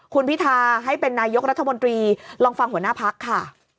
คุณพิทาให้เป็นนายกรัฐมนตรีลองฟังหัวหน้าพักค่ะ